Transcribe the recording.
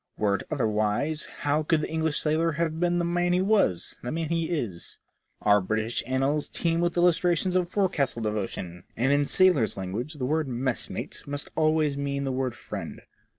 Were it otherwise, how could the English sailor have been the man he was, the man he is ? Our British annals teem with illustrations of forecastle devotion, and in sailors' language the word "messmate" must always mean the word " friend."